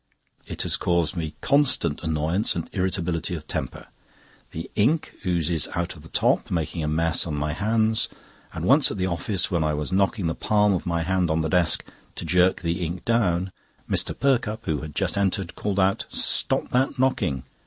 It has caused me constant annoyance and irritability of temper. The ink oozes out of the top, making a mess on my hands, and once at the office when I was knocking the palm of my hand on the desk to jerk the ink down, Mr. Perkupp, who had just entered, called out: "Stop that knocking!